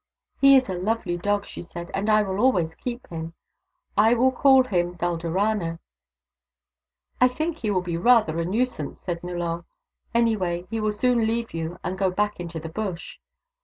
" He is a lovely dog," she said, " and I will always keep him. I will call him Dulderana." " I think he will be rather a nuisance," said Nullor. " Anyway, he will soon leave you and go back into the Bush."